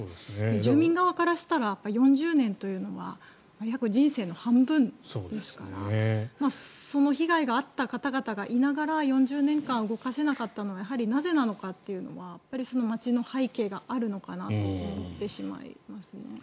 住民側からしたら４０年というのは人生の約半分ですからその被害があった方々がいながら４０年間、動かせなかったのはやはりなぜなのかっていうのは町の背景があるのかなと思ってしまいますね。